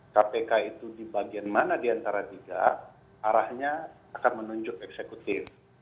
kpk itu di bagian mana di antara tiga arahnya akan menunjuk eksekutif